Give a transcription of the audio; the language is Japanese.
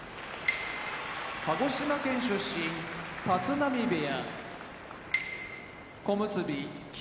鹿児島県出身立浪部屋小結・霧